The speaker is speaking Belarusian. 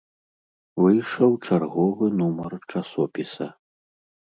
Выйшаў чарговы нумар часопіса.